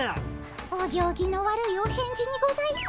お行儀の悪いお返事にございま。